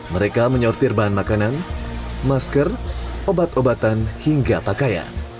mereka menyortir bahan makanan masker obat obatan hingga pakaian